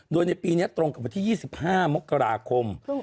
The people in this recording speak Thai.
โดยในปีนี้ตรงกับวันที่๒๕มกราคม